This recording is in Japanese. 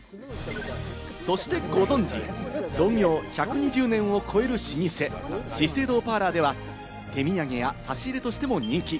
そしてご存じ、創業１２０年を超える老舗・資生堂パーラーでは、手土産や差し入れとしても人気。